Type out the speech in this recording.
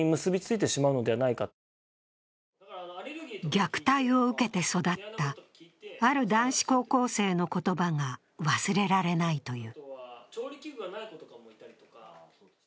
虐待を受けて育った、ある男子高校生の言葉が忘れられないという。